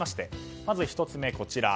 まず１つ目はこちら。